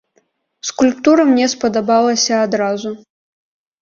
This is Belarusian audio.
Скульптура мне спадабалася адразу.